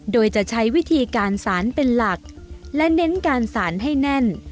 โดยจะใช้วิธีการสารเป็นหลักและเน้นการสารให้แน่น